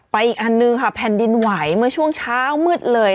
อีกอันนึงค่ะแผ่นดินไหวเมื่อช่วงเช้ามืดเลย